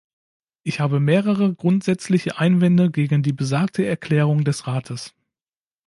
Ich habe mehrere grundsätzliche Einwände gegen die besagte Erklärung des Rates.